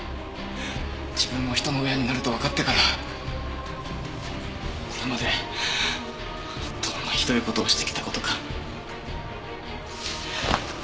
自分も人の親になるとわかってからこれまでどんなひどい事をしてきた事か。